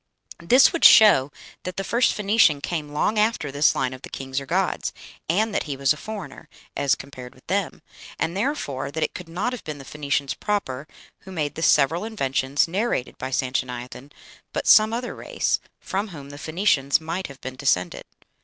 This would show that the first Phoenician came long after this line of the kings or gods, and that he was a foreigner, as compared with them; and, therefore, that it could not have been the Phoenicians proper who made the several inventions narrated by Sanchoniathon, but some other race, from whom the Phoenicians might have been descended.